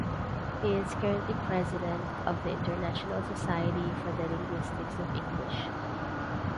He is currently President of the International Society for the Linguistics of English.